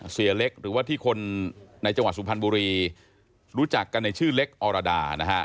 เสียเล็กหรือว่าที่คนในจังหวัดสุพรรณบุรีรู้จักกันในชื่อเล็กอรดานะฮะ